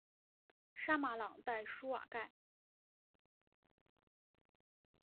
沙马朗代舒瓦盖。